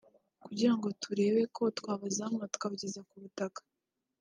kugira ngo turebe ko twabazamura tukabageza ku butaka